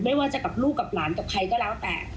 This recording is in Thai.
ไม่ว่าจะกับลูกกับหลานกับใครก็แล้วแต่